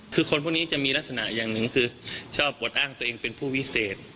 คือคนพวกนี้จะมีลักษณะอย่างหนึ่งคือชอบอดอ้างตัวเองเป็นผู้วิเศษ